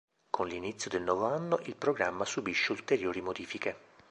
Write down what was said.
Con l'inizio del nuovo anno, il programma subisce ulteriori modifiche.